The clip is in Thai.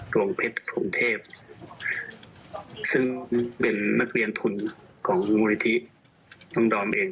วงเพชรกรุงเทพซึ่งเป็นนักเรียนทุนของมูลนิธิน้องดอมเอง